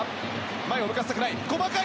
前を向かせたくない。